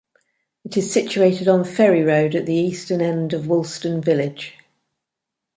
It is situated on Ferry Road at the eastern end of Woolston Village.